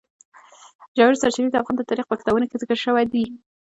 ژورې سرچینې د افغان تاریخ په کتابونو کې ذکر شوی دي.